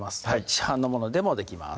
市販のものでもできます